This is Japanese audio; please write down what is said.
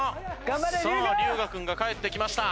さあ龍我君が帰ってきました。